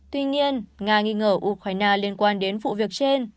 tuy nhiên nga nghi ngờ ukraine liên quan đến vụ việc trên